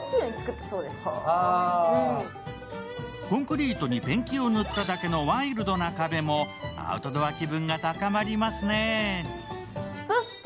コンクリートにペンキを塗っただけのワイルドな壁もアウトドア気分が高まりますね。